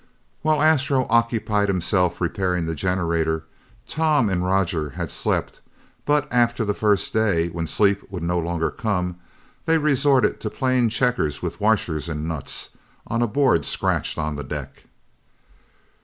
While Astro occupied himself repairing the generator, Tom and Roger had slept, but after the first day, when sleep would no longer come, they resorted to playing checkers with washers and nuts on a board scratched on the deck.